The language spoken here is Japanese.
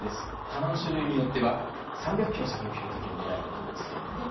弾の種類によっては３００ｋｍ先の標的を狙えるというんですね。